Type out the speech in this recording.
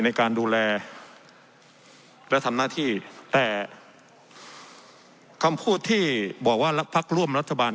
ในการดูแลและทำหน้าที่แต่คำพูดที่บอกว่ารักพักร่วมรัฐบาล